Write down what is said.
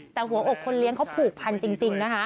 แต่หัวอกเขาพูดพันจริง